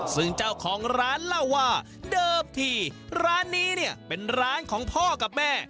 ซึ่งเจ้าของร้านเล่าว่าเดิมทีร้านนี้เนี่ยเป็นร้านของพ่อกับแม่